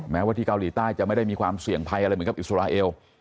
แม้ว่าที่เกาหลีใต้จะไม่ได้มีความเสี่ยงภัยอะไรเหมือนกับอิสราเอล